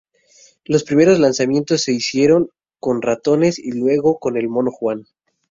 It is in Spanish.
Los primeros lanzamientos se hicieron con ratones y luego con el Mono Juan.